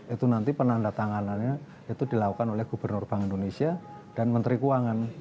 itu nanti penanda tanganannya itu dilakukan oleh gubernur bank indonesia dan menteri keuangan